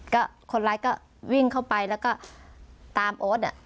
ก็คนร้ายก็วิ่งเข้าไปแล้วก็ตามโอ๊ตอ่ะ